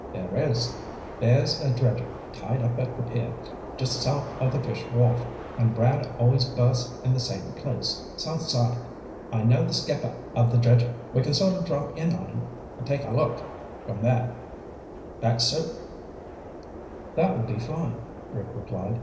"There is. There's a dredger tied up at the pier just south of the fish wharf, and Brad always berths in the same place, south side. I know the skipper of the dredger. We can sort of drop in on him and take a look from there. That suit?" "That will be fine," Rick replied.